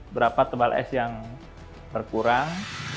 berapa tebal es yang berkurang